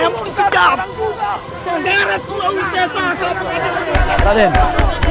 mencitnah yang kejam